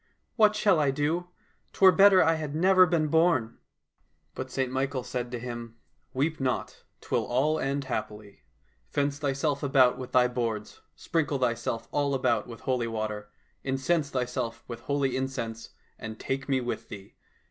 what shall I do ? 'Twere better I had never been born !"— But St Michael said to him, " Weep 88 / THE VAMPIRE AND ST MICHAEL not, 'twill all end happily. Fence thyself about with thy boards, sprinkle thyself all about with holy water, incense thyself with holy incense, and take me with thee.